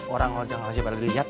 orang orang jangan aja pada lihat